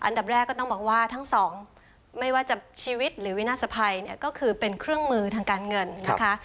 อันดับแรกก็ต้องบอกว่าทั้งสองไม่ว่าจะชีวิตหรือวินาศภัยเนี่ยก็คือเป็นเครื่องมือทางการเงินนะคะ